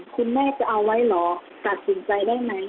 คุณแม่จะเอาไว้เหรอตัดสินใจได้ไหม